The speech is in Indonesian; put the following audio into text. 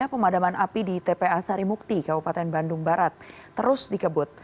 pemadaman api di tpa sarimukti kabupaten bandung barat terus dikebut